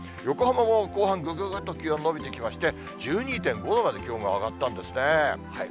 横浜も後半、ぐぐぐっと気温伸びてきまして、１２．５度まで気温が上がったんですね。